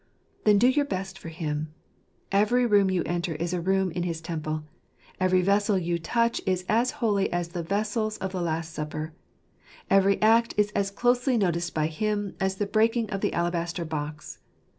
Then do your best for Him. Every room you enter is a room in his temple. Every vessel you touch is as holy as the vessels of the Last Supper. Every act is as closely noticed by Him as the breaking of the alabaster box.